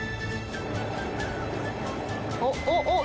おっ、おっ、おっ。